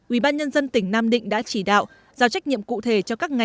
ubnd tỉnh nam định đã chỉ đạo giao trách nhiệm cụ thể cho các ngành